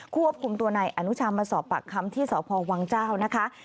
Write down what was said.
ควบคุมตัวนายอนุชามาสอบปากคำที่สพวังเจ้านะคะ